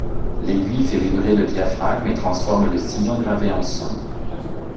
L'aiguille fait vibrer le diaphragme et transforme le sillon gravé en sons.